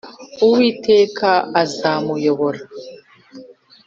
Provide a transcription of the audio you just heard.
uwiteka azamuyobora